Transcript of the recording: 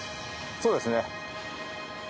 そうですね。